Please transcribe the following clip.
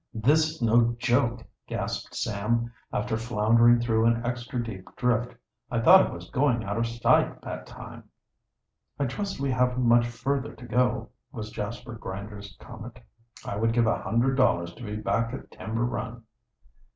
"This is no joke!" gasped Sam, after floundering through an extra deep drift. "I thought I was going out of sight that time." "I trust we haven't much further to go," was Jasper Grinder's comment. "I would give a hundred dollars to be back at Timber Run."